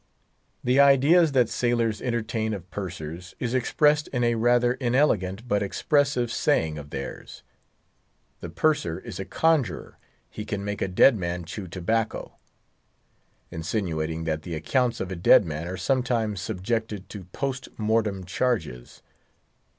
The ideas that sailors entertain of Pursers is expressed in a rather inelegant but expressive saying of theirs: "The Purser is a conjurer; he can make a dead man chew tobacco"—insinuating that the accounts of a dead man are sometimes subjected to post mortem charges.